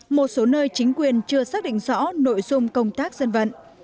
một số nơi chính quyền chưa xác định rõ nội dung công tác dân vận